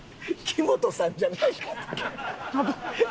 木本さんじゃないのよ。